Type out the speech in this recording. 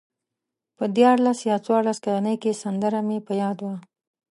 په دیارلس یا څوارلس کلنۍ کې سندره مې په یاد وه.